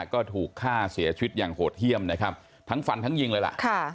ก็ถูกฆ่าเสียชีวิตอย่างโหดเยี่ยมนะครับทั้งฟันทั้งยิงเลยล่ะ